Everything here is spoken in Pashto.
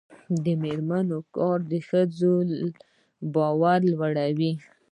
د میرمنو کار د ښځو باور لوړوي.